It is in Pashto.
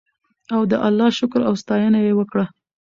او د الله شکر او ستاینه یې وکړه.